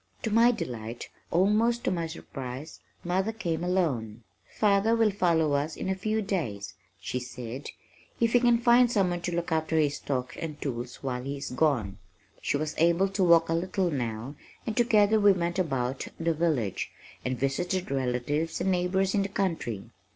To my delight, almost to my surprise, mother came, alone. "Father will follow in a few days," she said "if he can find someone to look after his stock and tools while he is gone." She was able to walk a little now and together we went about the village, and visited relatives and neighbors in the country.